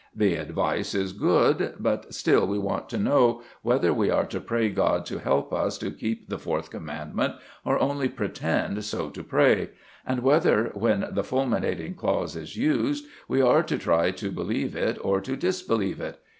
The advice is good, but still we want to know whether we are to pray God to help us to keep the Fourth Commandment, or only pretend so to pray, and whether, when the fulminating clause is used, we are to try to believe it or to disbelieve it.